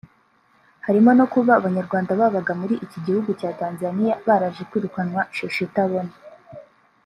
harimo no kuba abanyarwanda babaga muri iki gihugu cya Tanzania baraje kwirukanwa shishi itabona